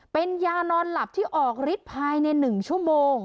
เป็นยานอนหลับที่ออกฤทธิ์ภายใน๑ชั่วโมง